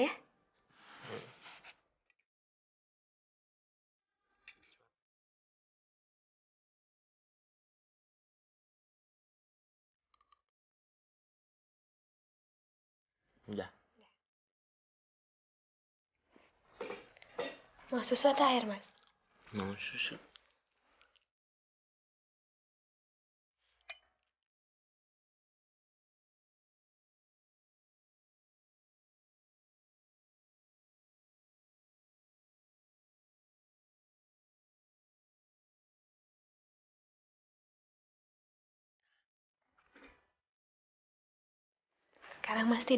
iya aku di sini mas